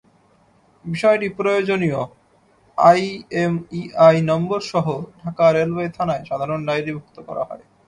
বিষয়টি প্রয়োজনীয় IMEI নম্বরসহ Dhaka railway থানায় সাধারণ ডায়েরিভুক্ত করা হয়।